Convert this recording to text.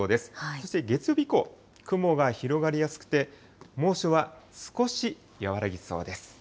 そして月曜日以降、雲が広がりやすくて、猛暑は少し和らぎそうです。